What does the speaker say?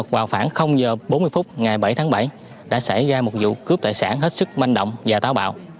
vào khoảng h bốn mươi phút ngày bảy tháng bảy đã xảy ra một vụ cướp tài sản hết sức manh động và táo bạo